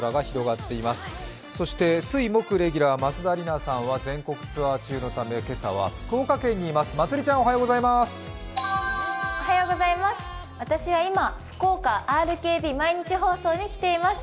水曜木曜レギュラー松田里奈さんは全国ツアー中のため今朝は福岡県にいます。